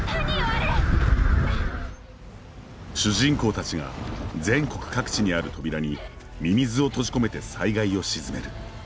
主人公たちが全国各地にある扉にミミズを閉じ込めて災害を鎮める。